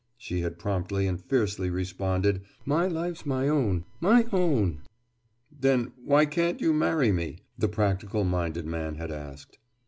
she had promptly and fiercely responded. "My life's my own—my own!" "Then why can't you marry me?" the practical minded man had asked.